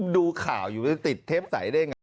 ดูข่าวอยู่จะติดเทปใสได้ไง